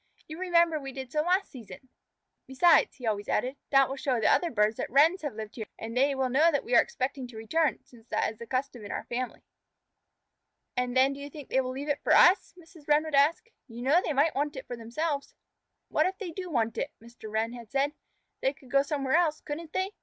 "You remember we did so last season. Besides," he always added, "that will show other birds that Wrens have lived here, and they will know that we are expecting to return, since that is the custom in our family." "And then do you think they will leave it for us?" Mrs. Wren would ask. "You know they might want it for themselves." "What if they did want it?" Mr. Wren had said. "They could go somewhere else, couldn't they?